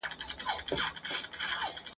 د زړه زخمونه مي د اوښکو له ګرېوانه نه ځي ..